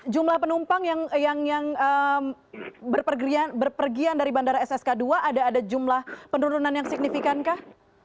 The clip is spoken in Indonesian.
jumlah penumpang yang berpergian dari bandara ssk dua ada jumlah penurunan yang signifikan kah